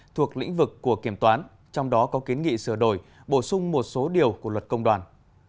thuộc lĩnh vực của kiểm toán trong đó có kiến nghị sửa đổi bổ sung một số điều của luật công đoàn